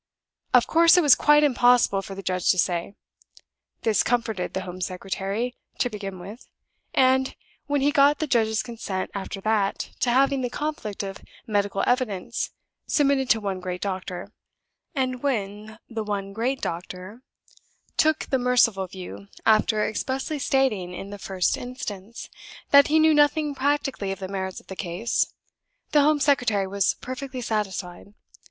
Of course it was quite impossible for the judge to say. This comforted the Home Secretary, to begin with. And, when he got the judge's consent, after that, to having the conflict of medical evidence submitted to one great doctor; and when the one great doctor took the merciful view, after expressly stating, in the first instance, that he knew nothing practically of the merits of the case, the Home Secretary was perfectly satisfied.